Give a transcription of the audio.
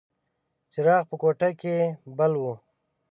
څراغ په کوټه کې بل و.